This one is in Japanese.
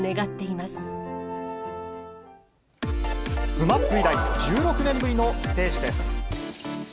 ＳＭＡＰ以来、１６年ぶりのステージです。